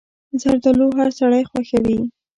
زردالو هر سړی خوښوي.